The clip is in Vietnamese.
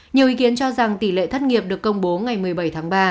nhiều ý kiến cho rằng tỷ lệ thất nghiệp được công bố ngày một mươi bảy tháng ba